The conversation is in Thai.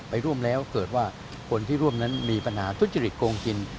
ไปร่วมแล้วเกิดว่าคนที่ร่วมนั้นมีปัญหาทุจริตโกงกิน